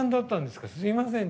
すみません。